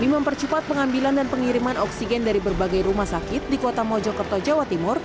demi mempercepat pengambilan dan pengiriman oksigen dari berbagai rumah sakit di kota mojokerto jawa timur